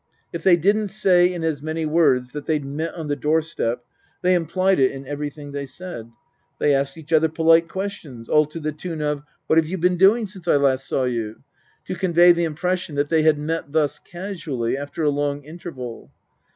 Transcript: If they didn't say in as many words that they'd met on the door step they implied it in everything they said. They asked each other polite questions, all to the tune of :" What Book I : My Book 43 have you been doing since I last saw you ?" to convey the impression that they had met thus casually after a long interval.